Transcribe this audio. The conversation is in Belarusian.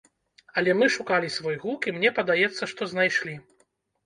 Але мы шукалі свой гук і мне падаецца, што знайшлі.